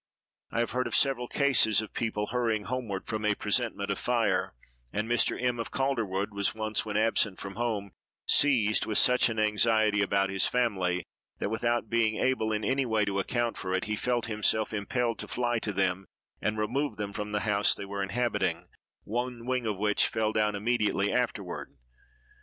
I have heard of several cases of people hurrying home from a presentiment of fire; and Mr. M—— of Calderwood was once, when absent from home, seized with such an anxiety about his family, that without being able in any way to account for it, he felt himself impelled to fly to them and remove them from the house they were inhabiting; one wing of which fell down immediately afterward.